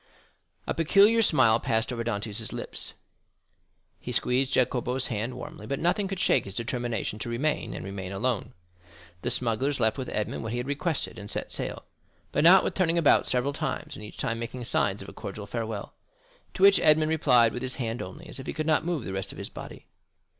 A peculiar smile passed over Dantès' lips; he squeezed Jacopo's hand warmly, but nothing could shake his determination to remain—and remain alone. The smugglers left with Edmond what he had requested and set sail, but not without turning about several times, and each time making signs of a cordial farewell, to which Edmond replied with his hand only, as if he could not move the rest of his body.